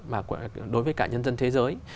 mà đối với cả nhân dân thế giới